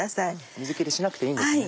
水切りしなくていいんですね。